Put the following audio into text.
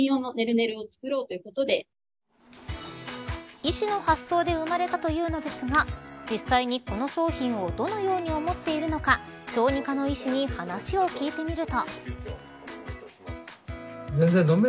医師の発想で生まれたというのですが実際にこの商品をどのように思っているのか小児科の医師に話を聞いてみると。